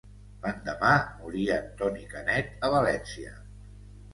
L'endemà moria Toni Canet a València.